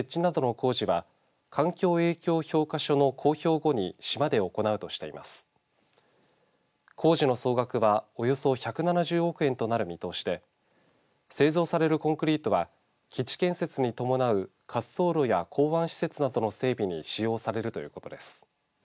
工事の総額はおよそ１７０億円となる見通しで製造されるコンクリートは基地建設に伴う滑走路や港湾施設などの整備に使用されるということです。